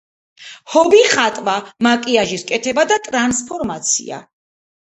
ჰობი ხატვა, მაკიაჟის კეთება და ტრანსფორმაცია.